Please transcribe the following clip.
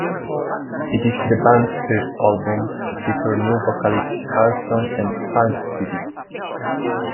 It is the band's first album to feature new vocalists Karlsson and Palmqvist.